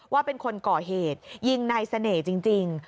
ว่าเป็นคนก่อเหตุยิงนายเสน่ห์จริง